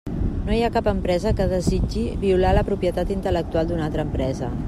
No hi ha cap empresa que desitgi violar la propietat intel·lectual d'una altra empresa.